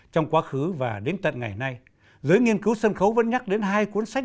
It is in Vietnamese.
trong quá khứ và đến tận ngày nay giới nghiên cứu sân khấu vẫn nhắc đến hai cuốn sách